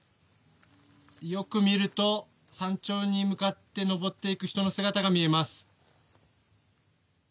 よく見ると山頂に向かって登っていく人の姿が見えます。